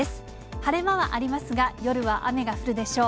晴れ間はありますが、夜は雨が降るでしょう。